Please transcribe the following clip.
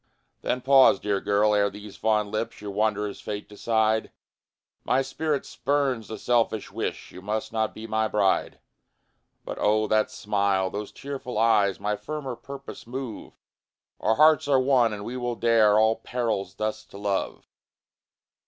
Then pause, dear girl! ere those fond lips Your wanderer's fate decide; My spirit spurns the selfish wish You must not be my bride. But oh, that smile those tearful eyes, My firmer purpose move Our hearts are one, and we will dare All perils thus to love!